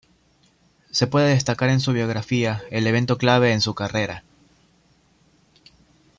Se puede destacar en su biografía, el evento clave en su carrera.